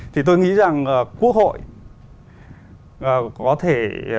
thì tôi nghĩ rằng quốc hội có thể